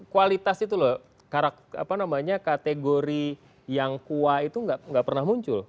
kualitas itu loh kategori yang kuat itu nggak pernah muncul